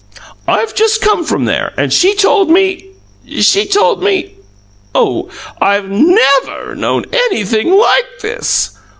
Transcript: "I've just come from there, and she told me she told me! Oh, I've NEVER known anything like this!"